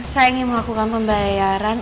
saya ingin melakukan pembayaran